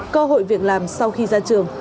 cơ hội việc làm sau khi ra trường